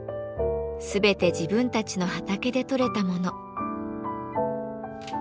全て自分たちの畑で取れたもの。